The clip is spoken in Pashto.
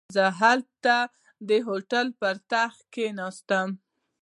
زه به هلته د هوټل پر تخت کښېنم.